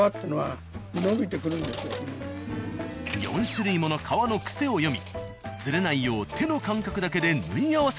４種類もの革のクセを読みズレないよう手の感覚だけで縫い合わせていく。